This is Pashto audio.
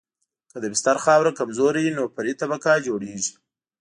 که د بستر خاوره کمزورې وي نو فرعي طبقه جوړیږي